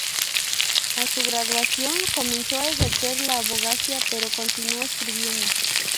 A su graduación comenzó a ejercer la abogacía pero continuó escribiendo.